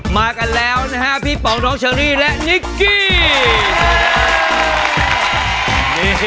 มากันแล้วนะฮะพี่ป๋องน้องเชอรี่และนิกกี้